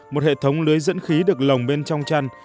một hệ thống lưới dẫn khí được lồng bên trong chăn